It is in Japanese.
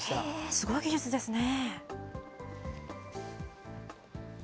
すごい技術ですね。